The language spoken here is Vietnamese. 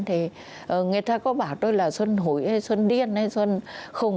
thì người ta có bảo tôi là xuân hủy hay xuân điên hay xuân khùng